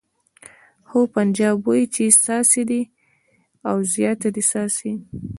خو پنجاب وایي چې څاڅي دې او زیاته دې څاڅي.